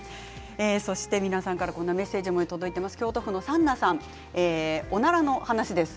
皆さんからメッセージも届いています。